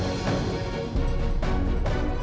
gue ada pendapat pendapat aku